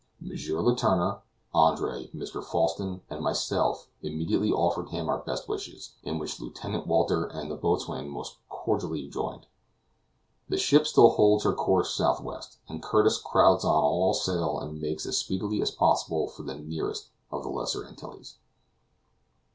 M. Letourneur, Andre, Mr. Falsten, and myself immediately offered him our best wishes, in which Lieutenant Walter and the boatswain most cordially joined. The ship still holds her course southwest, and Curtis crowds on all sail and makes as speedily as possible for the nearest of the Lesser Antilles.